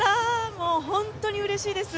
もう本当にうれしいです。